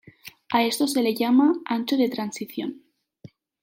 A esto se le llama "ancho de transición".